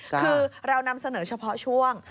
คือเรานำเสนอเฉพาะช่วง